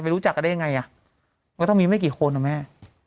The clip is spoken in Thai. รู้จักกันได้ยังไงอ่ะมันต้องมีไม่กี่คนนะแม่